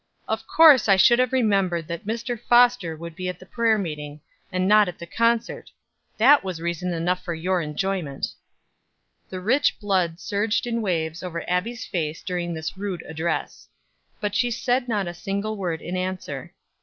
"Of course I should have remembered that Mr. Foster would be at the prayer meeting, and not at the concert; that was reason enough for your enjoyment." The rich blood surged in waves over Abbie's face during this rude address; but she said not a single word in answer.